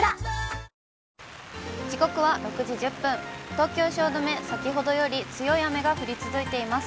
東京・汐留、先ほどより強い雨が降り続いています。